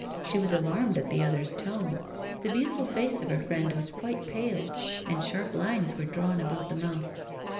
She was alarmed at the other's tone. The beautiful face of her friend was quite pale, and sharp lines were drawn about the mouth.